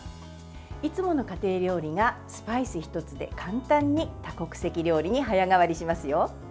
いつもの家庭料理がスパイス１つで簡単に多国籍料理に早変わりしますよ。